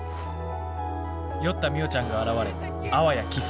酔ったみよちゃんが現れあわやキス？